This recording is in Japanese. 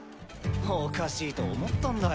おかしいと思ったんだよ。